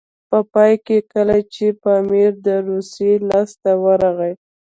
په پای کې کله چې پامیر د روسیې لاسته ورغی.